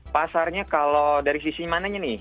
pasarnya kalau dari sisi mananya nih